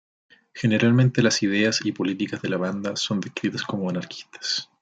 Generalmente las ideas y políticas de la banda son descritas como anarquistas.